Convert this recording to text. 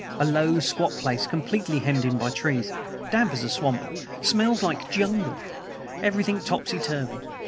A low, squat place completely hemmed in by trees. Damp as a swamp; smells like a jungle. Everything topsy turvy.